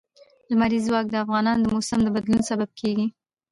لمریز ځواک د افغانستان د موسم د بدلون سبب کېږي.